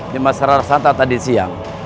nirmasara rasantan tadi siang